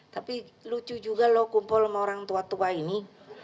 tapi lucu juga loh kumpul sama orang tua tua ini